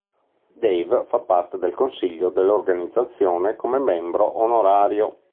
Dave fa parte del consiglio dell'organizzazione come membro onorario.